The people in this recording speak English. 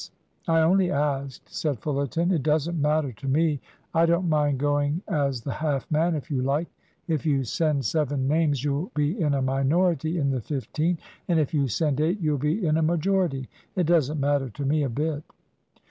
"I only asked," said Fullerton. "It doesn't matter to me, I don't mind going as the half man, if you like. If you send seven names you'll be in a minority in the fifteen, and if you send eight you'll be in a majority. It doesn't matter to me a bit."